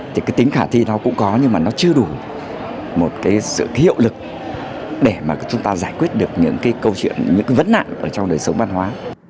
thì cái tính khả thi nó cũng có nhưng mà nó chưa đủ một cái sự hiệu lực để mà chúng ta giải quyết được những cái câu chuyện những cái vấn nạn ở trong đời sống văn hóa